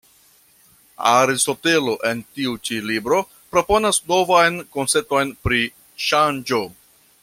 Aristotelo en tiu ĉi libro proponas novan koncepton pri ŝanĝo.